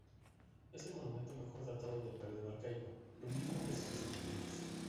Es el monumento mejor datado del periodo arcaico, lo mismo que sus esculturas.